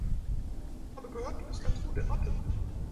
Ich habe gehört, du bist ganz gut in Mathe.